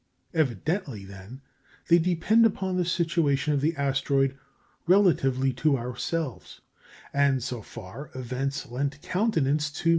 Evidently, then, they depend upon the situation of the asteroid relatively to ourselves; and, so far, events lent countenance to M.